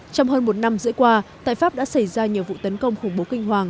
trong hơn một năm rưỡi qua tại pháp đã xảy ra nhiều vụ tấn công khủng bố kinh hoàng